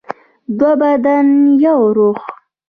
دوه بدن یو روح.